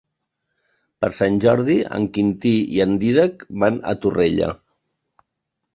Per Sant Jordi en Quintí i en Dídac van a Torrella.